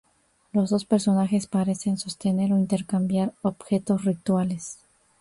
Los dos personajes parecen sostener o intercambiar objetos rituales.